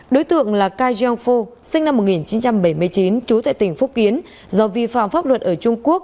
đối tượng là kai jong fo sinh năm một nghìn chín trăm bảy mươi chín trú tại tỉnh phúc kiến do vi phạm pháp luật ở trung quốc